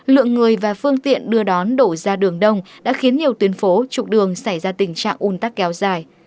lượng người và phương tiện đưa đón đổ ra đường đông đã khiến nhiều tuyến phố trục đường xảy ra tình trạng un tắc kéo dài